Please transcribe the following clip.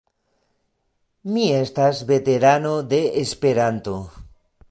Mi estas veterano de Esperanto.